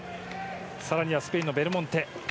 更にはスペイン、ベルモンテ。